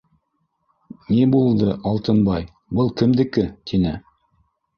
— Ни булды, Алтынбай, был кемдеке? — тине.